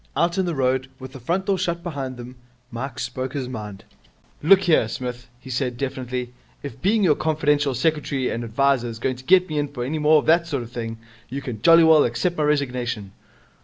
Out in the road, with the front door shut behind them, Mike spoke his mind. 'Look here, Smith,' he said definitely, 'if being your confidential secretary and adviser is going to let me in for any more of that sort of thing, you can jolly well accept my resignation.'